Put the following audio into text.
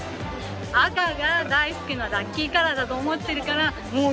赤が大好きなラッキーカラーだと思ってるからもう絶対赤。